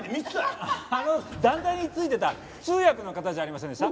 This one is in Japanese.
あの団体に付いてた通訳の方じゃありませんでした？